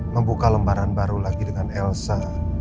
membuka lembaran baru lagi dengan elsa